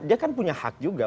dia kan punya hak juga